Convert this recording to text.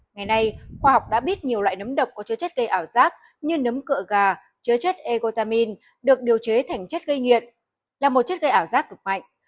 ngày nay khoa học đã biết nhiều loại nấm độc có chứa chất gây ảo giác như nấm cựa gà chứa chất egotamin được điều chế thành chất gây nghiện là một chất gây ảo giác cực mạnh